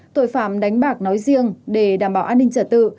tội phạm đánh bạc nói riêng để đảm bảo an ninh trật tự